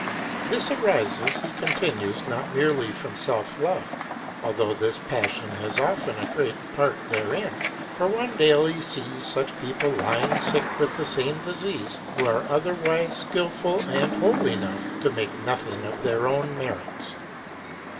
This arises, he continues, not merely from self love, although this passion has often a great part therein. For one daily sees such people lying sick with the same disease, who are otherwise skilful and whole enough to make nothing of their own merits.